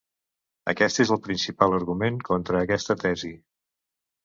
Aquest és el principal argument contra aquesta tesi.